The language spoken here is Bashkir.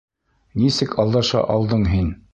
Нисек алдаша алдың һин?